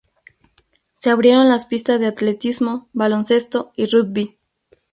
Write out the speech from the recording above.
Se abrieron las pistas de atletismo, baloncesto y rugby.